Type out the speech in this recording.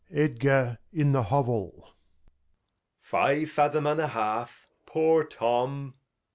Edgar in the Hovell. Five Fathom and a half, poor Tom.